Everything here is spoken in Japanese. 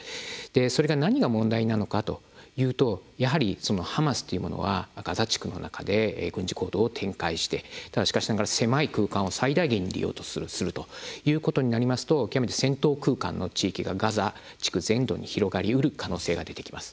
それが何が問題なのかというとやはり、ハマスというものはガザ地区の中で軍事行動を展開してしかしながら狭い空間を最大限に利用するということになりますと極めて戦闘空間の地域がガザ地区全土に広がりうる可能性が出てきます。